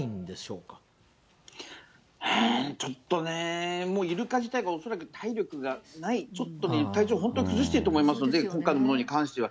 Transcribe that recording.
うーん、ちょっとねぇ、もうイルカ自体が恐らく体力がない、ちょっとね、体調、本当に崩している思いますので、今回のものに関しては。